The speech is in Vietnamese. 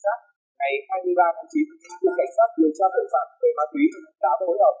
tháng hai khi giao má túy theo sự chỉ đảm của quốc